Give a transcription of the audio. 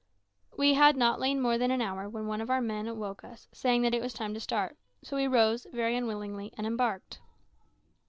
We had not lain more than an hour when one of our men awoke us, saying that it was time to start; so we rose, very unwillingly, and embarked.